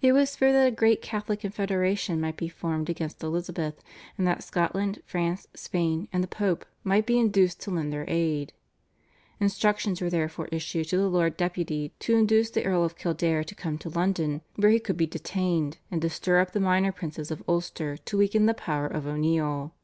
It was feared that a great Catholic confederation might be formed against Elizabeth, and that Scotland, France, Spain, and the Pope might be induced to lend their aid. Instructions were therefore issued to the Lord Deputy to induce the Earl of Kildare to come to London where he could be detained, and to stir up the minor princes of Ulster to weaken the power of O'Neill.